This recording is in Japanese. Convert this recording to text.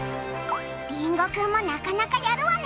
りんごくんもなかなかやるわね。